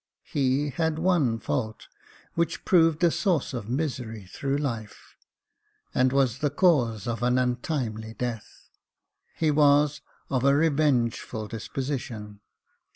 He had one fault, which proved a source of misery through life, and was the cause of an untimely death. He was of a revengeful disposition.